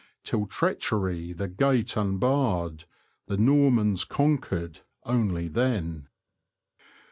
Till treachery the gate unbarred : The Normans conquered only then.